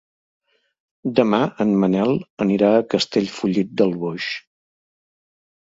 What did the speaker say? Demà en Manel anirà a Castellfollit del Boix.